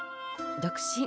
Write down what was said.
独身。